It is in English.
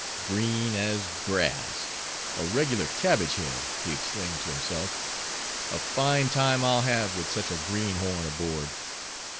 "Green as grass! a regular cabbage head!" he exclaimed to himself. "A fine time I'll have with such a greenhorn aboard.